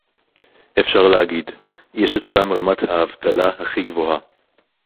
אפשר להגיד: יש אצלם רמת האבטלה הכי גבוהה